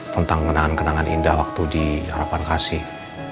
tentang kenangan kenangan indah waktu di harapan kasih